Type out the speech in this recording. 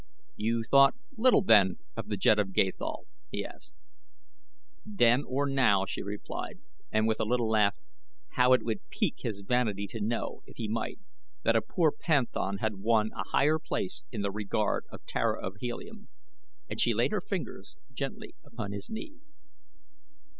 "You thought little then of the Jed of Gathol?" he asked. "Then or now," she replied, and with a little laugh; "how it would pique his vanity to know, if he might, that a poor panthan had won a higher place in the regard of Tara of Helium," and she laid her fingers gently upon his knee.